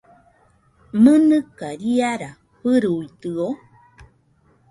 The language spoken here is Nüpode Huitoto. ¿Mɨnɨka riara fɨruidɨo?